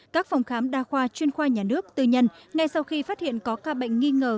các phòng khám đa khoa chuyên khoa nhà nước tư nhân ngay sau khi phát hiện có ca bệnh nghi ngờ